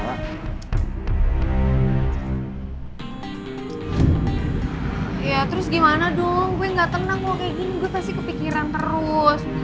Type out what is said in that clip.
ya terus gimana dong gue gak tenang gue kayak gini gue pasti kepikiran terus